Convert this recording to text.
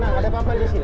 tenang ada papa disini